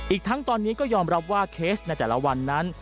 อีกทั้งตอนนี้ก็ยอมรับว่าเคสในแต่ละวันนั้น